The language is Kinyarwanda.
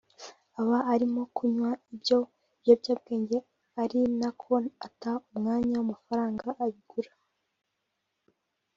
aba arimo kunywa ibyo biyobyabwenge ari nako ata umwanya n’amafaranga abigura